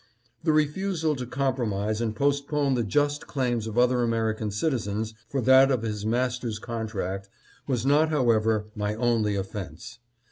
" The refusal to compromise and postpone the just claims of other American citizens for that of his mas ter's contract was not, however, my only offense.